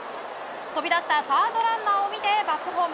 飛び出したサードランナーを見てバックホーム。